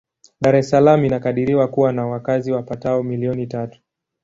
Dar es Salaam inakadiriwa kuwa na wakazi wapatao milioni tatu.